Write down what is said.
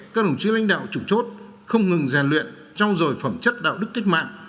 các đồng chí lãnh đạo chủ chốt không ngừng rèn luyện trao dồi phẩm chất đạo đức cách mạng